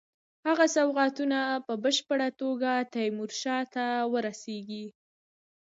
هغه سوغاتونه په بشپړه توګه تیمورشاه ته ورسیږي.